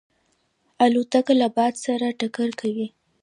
الوتکه له باد سره ټکر کوي.